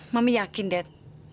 mami yakin dad